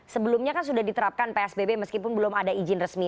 sebelumnya kan sudah diterapkan psbb meskipun belum ada izin resmi